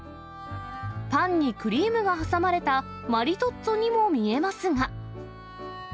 パンにクリームが挟まれたマリトッツォにも見えますが。